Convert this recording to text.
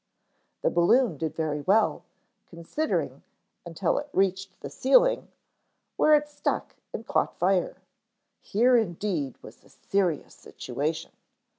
The balloon did very well, considering, until it reached the ceiling, where it stuck and caught fire. Here indeed was a serious situation.